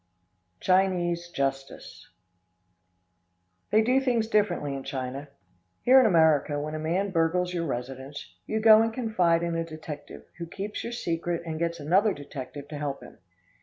Chinese Justice. They do things differently in China. Here in America, when a man burgles your residence, you go and confide in a detective, who keeps your secret and gets another detective to help him.